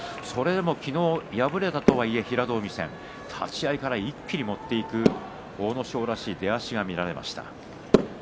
昨日、敗れたとはいえ平戸海戦立ち合いから一気に持っていく阿武咲らしい立ち合いが見られました。